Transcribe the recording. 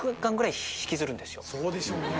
そうでしょうね。